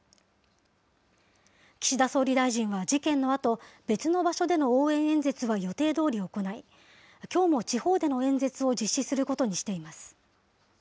岸田総理大臣は事件のあと、別の場所での応援演説は予定どおり行い、きょうも地方での演説を実施することにしています。